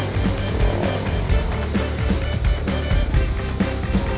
kita gak tau harus cari mereka kemana